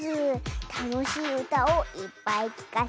たのしいうたをいっぱいきかせちゃうズー。